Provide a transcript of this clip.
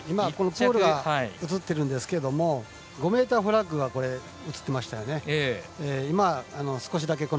ポールが映っていたんですが５ｍフラッグが映ってましたよね。